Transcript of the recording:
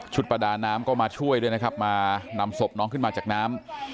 ประดาน้ำก็มาช่วยด้วยนะครับมานำศพน้องขึ้นมาจากน้ำ